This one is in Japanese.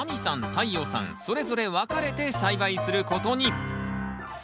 太陽さんそれぞれ分かれて栽培することに。